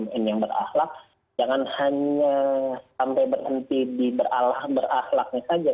pemimpin yang berakhlak jangan hanya sampai berhenti di beralah berakhlaknya saja